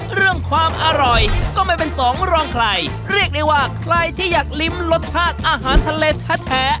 เรื่องความอร่อยก็ไม่เป็นสองรองใครเรียกได้ว่าใครที่อยากลิ้มรสชาติอาหารทะเลแท้แท้